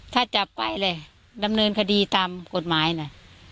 ถ้าจับไปเลยดำเนินคดีตามกฎหมายนะ